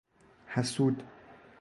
حسود